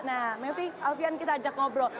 nah mevri alfian kita ajak ngobrol